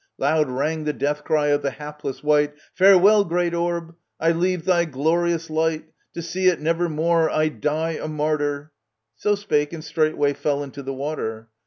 Loud rang the death cry of the hapless wight ;—" Farewell, great orb ; I leave thy glorious light, \ To see it never more ! I die a martyr !" So spake and straightway fell into the water.